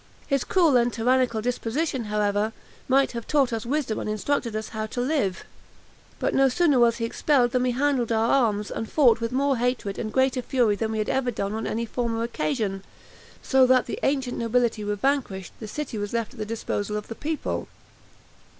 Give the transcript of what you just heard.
His cruel and tyrannical disposition, however, might have taught us wisdom and instructed us how to live; but no sooner was he expelled than we handled our arms, and fought with more hatred, and greater fury than we had ever done on any former occasion; so that the ancient nobility were vanquished the city was left at the disposal of the people.